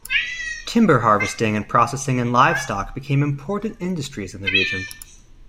Timber harvesting and processing and livestock became important industries in the region.